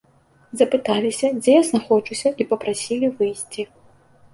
Запыталіся, дзе я знаходжуся, і папрасілі выйсці.